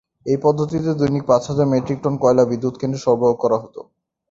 এই পদ্ধতিতে দৈনিক পাঁচ হাজার মেট্রিক টন কয়লা বিদ্যুৎ কেন্দ্রে সরবরাহ করা হত।